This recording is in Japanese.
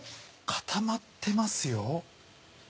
固まってますよ。